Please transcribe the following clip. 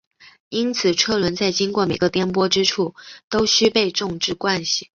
因此车轮在经过每个颠簸之前都须被重置惯性。